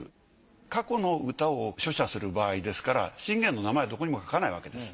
過去の歌を書写する場合ですから信玄の名前はどこにも書かないわけです。